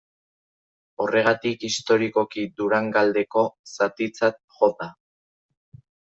Horregatik, historikoki Durangaldeko zatitzat jo da.